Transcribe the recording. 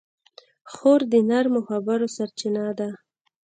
خور د نرمو خبرو سرچینه ده.